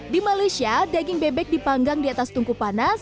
di malaysia daging bebek dipanggang di atas tungku panas